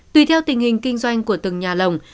tùy theo tình hình kinh doanh của từng nhà lồng